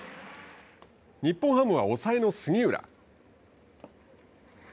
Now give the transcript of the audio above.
日本ハムは抑えの杉浦。